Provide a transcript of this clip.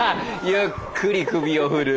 ゆっくり首を振る。